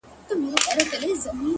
• څوك به اوري فريادونه د زخميانو,